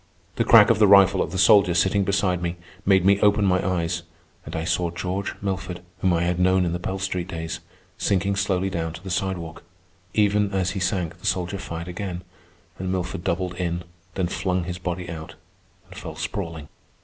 The crack of the rifle of the soldier sitting beside me made me open my eyes, and I saw George Milford, whom I had known in the Pell Street days, sinking slowly down to the sidewalk. Even as he sank the soldier fired again, and Milford doubled in, then flung his body out, and fell sprawling.